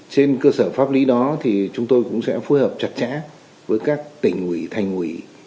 trên cơ sở pháp lý đó thì chúng tôi cũng sẽ phối hợp chặt chẽ với các tỉnh ủy thành ủy